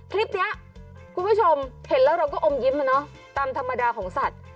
คลิปนี้คุณผู้ชมเห็นแล้วเราก็อมยิ้มตามธรรมดาของสัตว์